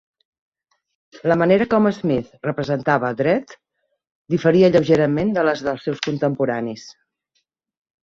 La manera com Smith representava a Dredd diferia lleugerament de la dels seus contemporanis.